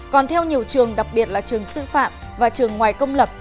còn theo nhiều trường đặc biệt là trường sư phạm và trường ngoài công lập